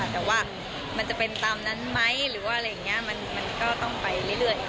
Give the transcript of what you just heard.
แต่ว่ามันจะเป็นตามนั้นไหมมันก็ต้องไปเรื่อย